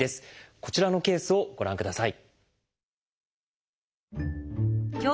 こちらのケースをご覧ください。